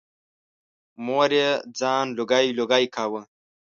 مور یې ځان لوګی لوګی کاوه.